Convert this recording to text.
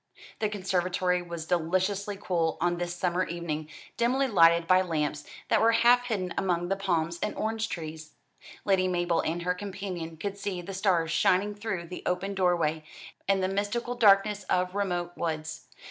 The conservatory was deliciously cool on this summer evening, dimly lighted by lamps that were half hidden among the palms and orange trees. Lady Mabel and her companion could see the stars shining through the open doorway, and the mystical darkness of remote woods.